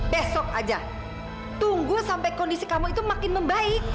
besok aja tunggu sampai kondisi kamu itu makin membaik